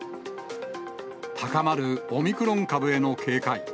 高まるオミクロン株への警戒。